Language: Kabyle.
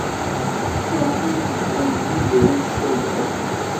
Maɣef ay tukḍem Yidir anect-a akk?